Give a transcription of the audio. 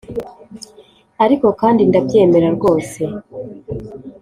ariko kandi ndabyemera rwose